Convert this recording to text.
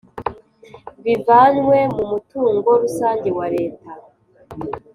bivanywe mu mutungo rusange wa Leta